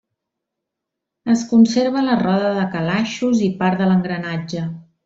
Es conserva la roda de calaixos i part de l'engranatge.